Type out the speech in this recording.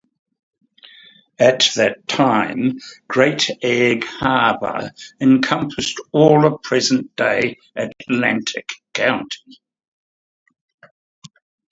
At that time Great Egg Harbor encompassed all of present-day Atlantic County.